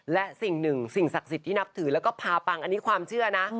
และสิ่งหนึ่งสิ่งศักดิ์สิทธิ์ที่นับถือแล้วก็พาปังอันนี้ความเชื่อนะ